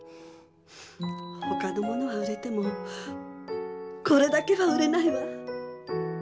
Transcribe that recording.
ほかのものは売れてもこれだけは売れないわ。